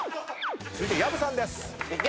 続いて薮さんです。